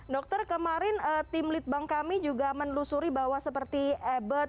dokter kemarin tim lead bank kami juga menelusuri bahwa seperti ebert